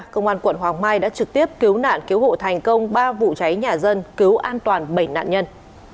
công an quận hoàng mai đã trực tiếp cứu nạn cứu hộ thành công ba vụ cháy nhà dân cứu an toàn bảy nạn nhân